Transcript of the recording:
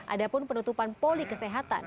ada pun penutupan poli kesehatan